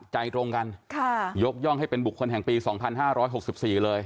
ใจตรงกันยกย่องให้เป็นบุคคลแห่งปี๒๕๖๔เลย